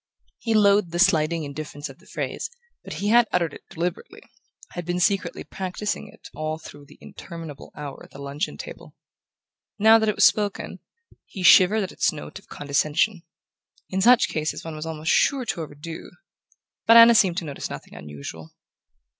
He loathed the slighting indifference of the phrase, but he had uttered it deliberately, had been secretly practising it all through the interminable hour at the luncheon table. Now that it was spoken, he shivered at its note of condescension. In such cases one was almost sure to overdo...But Anna seemed to notice nothing unusual.